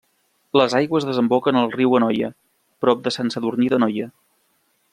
Les aigües desemboquen al Riu Anoia prop de Sant Sadurní d'Anoia.